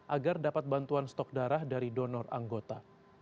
agar dapat bantuan stok darah dari donor anggota